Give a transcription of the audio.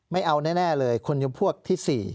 ไม่เอาแน่เลยคนยกพวกที่๔